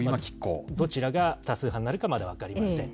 どちらが多数派になるか、まだ分かりません。